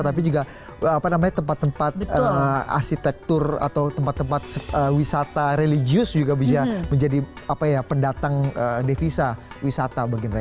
tapi juga tempat tempat arsitektur atau tempat tempat wisata religius juga bisa menjadi pendatang devisa wisata bagi mereka